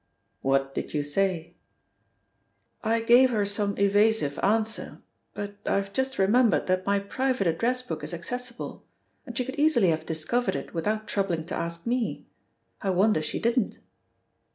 "What did you say?" "I gave her some evasive answer, but I've just remembered that my private address book is accessible, and she could easily have discovered it without troubling to ask me. I wonder she didn't."